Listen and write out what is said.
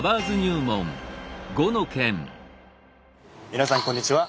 皆さんこんにちは。